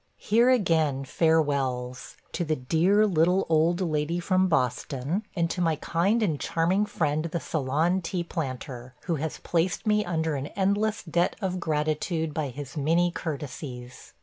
... Here again farewells: to the dear little old lady from Boston and to my kind and charming friend the Ceylon tea planter, who has placed me under an endless debt of gratitude by his many courtesies.